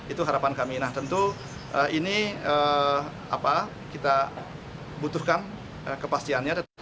itu harapan kami nah tentu ini kita butuhkan kepastiannya